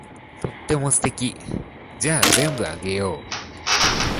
とっても素敵。じゃあ全部あげよう。